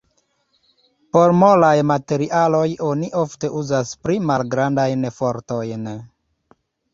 Por molaj materialoj oni ofte uzas pli malgrandajn fortojn.